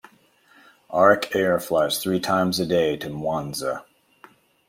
Auric Air flies three times a day to Mwanza.